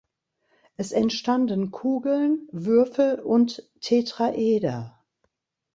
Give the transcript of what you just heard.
Es entstanden Kugeln, Würfel und Tetraeder.